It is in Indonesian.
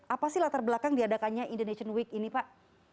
apa sih latar belakang diadakannya indonesian week ini pak